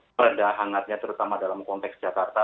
terdahangatnya terutama dalam konteks jakarta